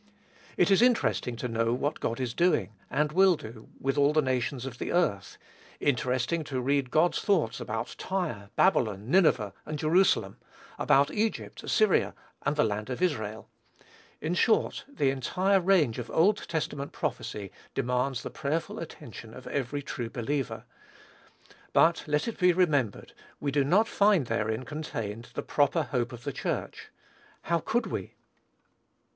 It is interesting to know what God is doing, and will do, with all the nations of the earth, interesting to read God's thoughts about Tyre, Babylon, Nineveh, and Jerusalem, about Egypt, Assyria, and the land of Israel. In short, the entire range of Old Testament prophecy demands the prayerful attention of every true believer. But let it be remembered, we do not find therein contained the proper hope of the Church. How could we?